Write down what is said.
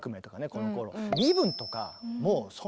このころ。